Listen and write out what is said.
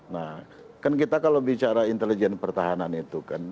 nah kan kita kalau bicara intelijen pertahanan itu kan